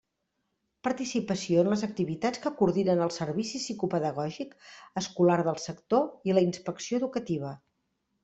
Participació en les activitats que coordinen el servici psicopedagògic escolar de sector i la Inspecció Educativa.